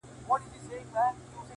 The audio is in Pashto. ستا شهپر دي په اسمان کي بریالی وي؛